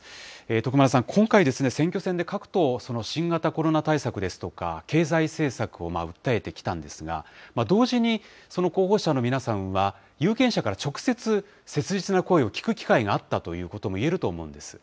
徳丸さん、今回、選挙戦で各党、新型コロナ対策ですとか、経済政策を訴えてきたんですが、同時にその候補者の皆さんは、有権者から直接、切実な声を聞く機会があったということも言えると思うんです。